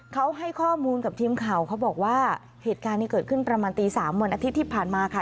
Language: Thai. เขาให้ข้อมูลกับทีมข่าวเขาบอกว่าเหตุการณ์นี้เกิดขึ้นประมาณตี๓วันอาทิตย์ที่ผ่านมาค่ะ